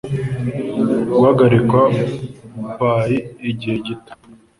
guhagarikwa by igihe gito